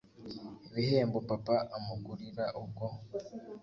igihembo papa amuguriraubwo